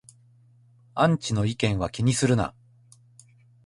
アンチの意見は気にするな